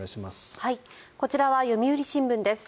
こちらは読売新聞です。